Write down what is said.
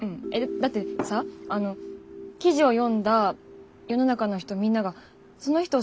だってさあの記事を読んだ世の中の人みんながその人を裁くみたいにたたくのって。